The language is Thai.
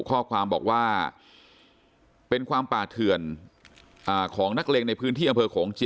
ข้อความบอกว่าเป็นความปาเถื่อนอ่าของนักเรียนในพื้นที่